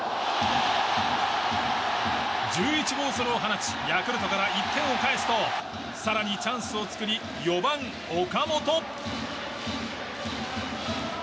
１１号ソロを放ちヤクルトから１点を返すと更にチャンスを作り４番、岡本。